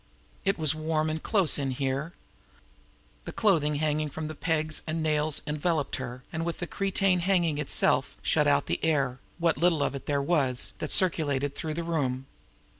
It was warm and close here. The clothing hanging from the pegs and nails enveloped her, and, with the cretonne hanging itself, shut out the air, what little of it there was, that circulated through the room.